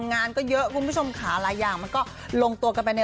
นักข่าวยิ้มหวานแล้วนะได้เปล่า